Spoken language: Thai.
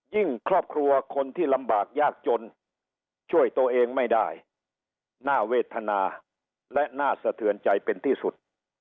ครอบครัวคนที่ลำบากยากจนช่วยตัวเองไม่ได้น่าเวทนาและน่าสะเทือนใจเป็นที่สุด